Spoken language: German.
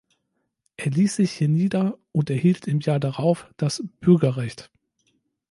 Er ließ sich hier nieder und erhielt im Jahr darauf das "Bürgerrecht".